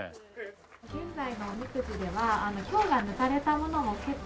現在のおみくじでは凶が抜かれたものも結構。